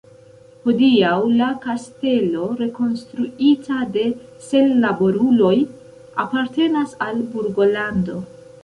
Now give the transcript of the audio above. Hodiaŭ la kastelo, rekonstruita de senlaboruloj, apartenas al Burgolando.